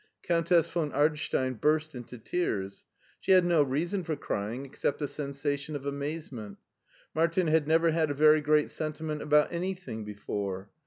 Countess von Ardstein burst into tears. She had no reason for crying except a sensation of amazement. Martin had never had a very great sentiment about anything before.